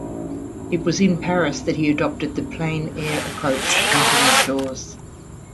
It was in Paris that he adopted the plein-air approach of painting outdoors.